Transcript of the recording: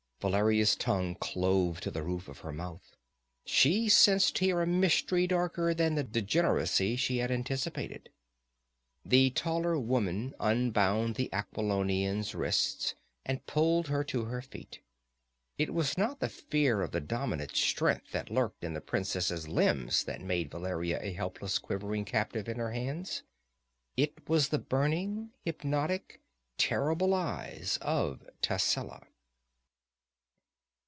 Valeria's tongue clove to the roof of her mouth. She sensed here a mystery darker than the degeneracy she had anticipated. The taller woman unbound the Aquilonian's wrists and pulled her to her feet. It was not fear of the dominant strength that lurked in the princess' limbs that made Valeria a helpless, quivering captive in her hands. It was the burning, hypnotic, terrible eyes of Tascela.